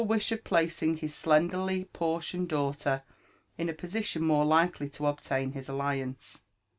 «h of placing his glenderiy portioned daughter In a position more likely to obtain bis alliance.